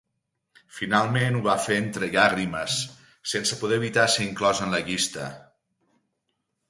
Finalment ho va fer entre llàgrimes, sense poder evitar ser inclòs en la llista.